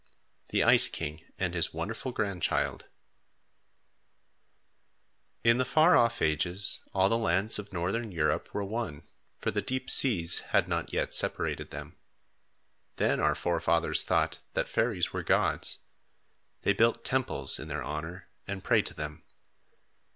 THE ICE KING AND HIS WONDERFUL GRANDCHILD In the far off ages, all the lands of northern Europe were one, for the deep seas had not yet separated them. Then our forefathers thought that fairies were gods. They built temples in their honor, and prayed to them.